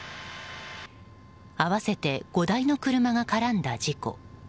合わせて５台の車が絡んだ事故。